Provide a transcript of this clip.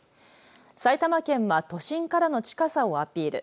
埼玉県は都心からの近さをアピール。